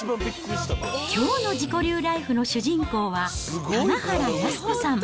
きょうの自己流ライフの主人公は、棚原安子さん。